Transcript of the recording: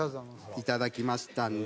いただきましたので。